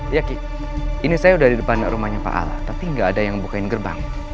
ya ki ini saya udah di depan rumahnya pak ala tapi nggak ada yang bukain gerbang